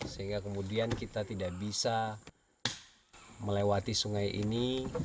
sehingga kemudian kita tidak bisa melewati sungai ini